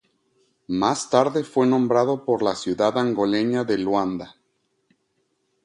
Más tarde fue nombrado por la ciudad angoleña de Luanda.